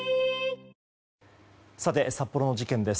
さて、札幌の事件です。